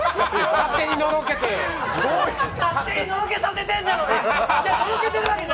勝手にのろけさせてるんだろうが！